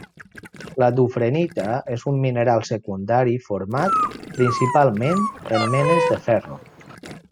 La dufrenita és un mineral secundari format principalment en menes de ferro.